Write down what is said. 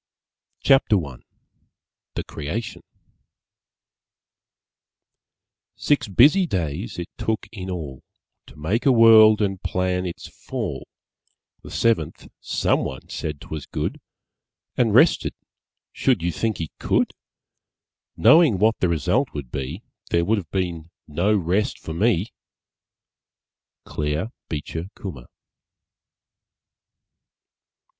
CHAPTER I THE CREATION Six busy days it took in all To make a World and plan its fall, The seventh, SOMEONE said 'twas good And rested, should you think he could? Knowing what the result would be There would have been no rest for me! _Claire Beecher Kummer.